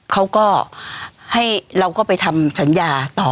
เขาก็ให้เราก็ไปทำสัญญาต่อ